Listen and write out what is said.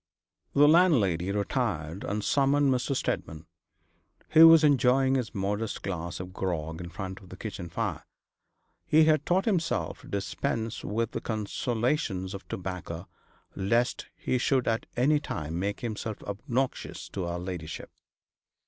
The landlady retired, and summoned Mr. Steadman, who was enjoying his modest glass of grog in front of the kitchen fire. He had taught himself to dispense with the consolations of tobacco, lest he should at any time make himself obnoxious to her ladyship.